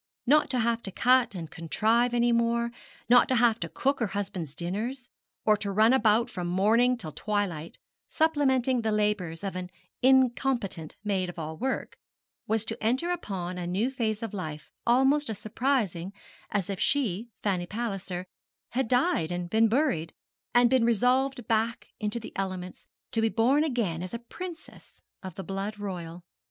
Not to have to cut and contrive any more, not to have to cook her husband's dinners, or to run about from morning till twilight, supplementing the labours of an incompetent maid of all work, was to enter upon a new phase of life almost as surprising as if she, Fanny Palliser, had died and been buried, and been resolved back into the elements, to be born again as a princess of the blood royal.